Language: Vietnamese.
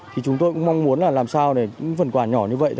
thì chúng tôi cũng mong muốn là làm sao để những phần quà nhỏ như vậy